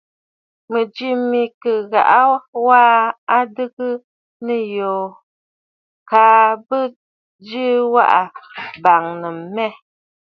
Mɨ̀jɨ mɨ kɨ ghaʼa wa adɨgə nɨyɔʼɔ kaa bɨjɨ waʼà bàŋnə̀ mbə.